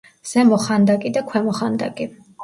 ზემო ხანდაკი და ქვემო ხანდაკი.